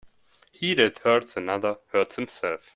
He that hurts another, hurts himself.